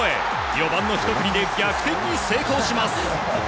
４番のひと振りで逆転に成功します。